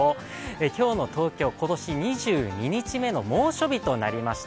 今日の東京、今年２２日目の猛暑日となりました